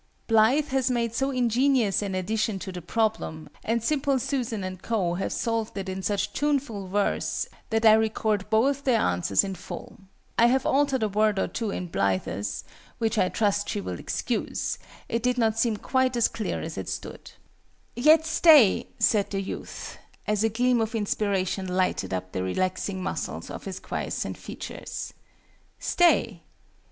BLITHE has made so ingenious an addition to the problem, and SIMPLE SUSAN and CO. have solved it in such tuneful verse, that I record both their answers in full. I have altered a word or two in BLITHE'S which I trust she will excuse; it did not seem quite clear as it stood. "Yet stay," said the youth, as a gleam of inspiration lighted up the relaxing muscles of his quiescent features. "Stay.